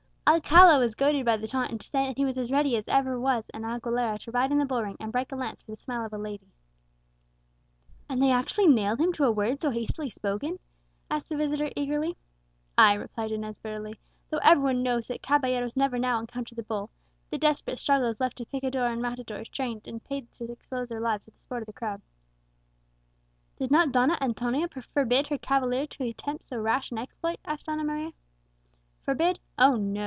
Alcala was goaded by the taunt into saying that he was as ready as was ever an Aguilera to ride in the bull ring, and break a lance for the smile of a lady." "And they actually nailed him to a word so hastily spoken?" asked the visitor eagerly. "Ay," replied Inez bitterly; "though every one knows that caballeros never now encounter the bull, that the desperate struggle is left to picador and matador trained and paid to expose their lives for the sport of the crowd." "Did not Donna Antonia forbid her cavalier to attempt so rash an exploit?" asked Donna Maria. "Forbid! oh no!"